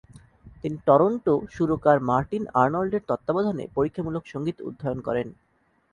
তিনি টরন্টো সুরকার মার্টিন আর্নল্ডের তত্ত্বাবধানে পরীক্ষামূলক সঙ্গীত অধ্যয়ন করেন।